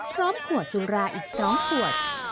พร้อมขวดสุราอีก๒ขวด